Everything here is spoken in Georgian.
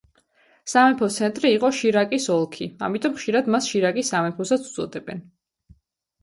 სამეფოს ცენტრი იყო შირაკის ოლქი, ამიტომ ხშირად მას შირაკის სამეფოსაც უწოდებენ.